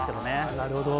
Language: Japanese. なるほど。